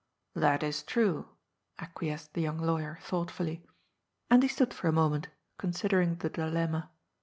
" That is true," acquiesced the young lawyer thought fully. And he stood for a moment, considering the dilemma.